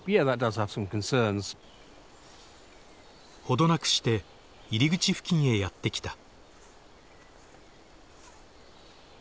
程なくして入り口付近へやって来た。